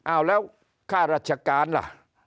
อ้าวแล้วค่าราชการล่ะ